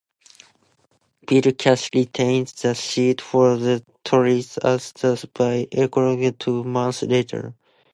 Bill Cash retained the seat for the Tories at the by-election two months later.